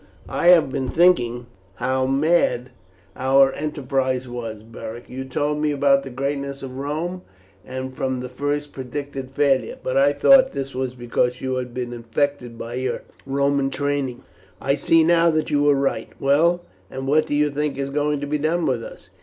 "I have been thinking how mad our enterprise was, Beric. You told me about the greatness of Rome and from the first predicted failure, but I thought this was because you had been infected by your Roman training; I see now that you were right. Well, and what do you think is going to be done with us?"